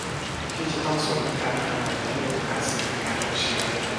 ที่จะต้องสวมหน้ากากอนามัยเพื่อลดโอกาสเสี่ยงในการรับเชื้อ